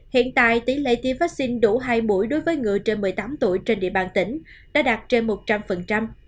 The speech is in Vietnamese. hiện tại tỷ lệ tiêm vaccine đủ hai buổi đối với người trên một mươi tám tuổi trên địa bàn tỉnh đã đạt trên một trăm linh